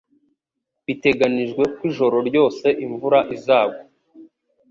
Biteganijwe ko ijoro ryose imvura izagwa.